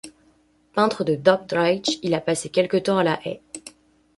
Peintre de Dordrecht, il a passé quelque temps à La Haye.